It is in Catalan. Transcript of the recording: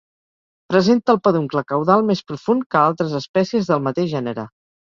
Presenta el peduncle caudal més profund que altres espècies del mateix gènere.